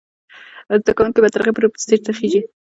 زده کوونکې به تر هغه وخته پورې سټیج ته خیژي.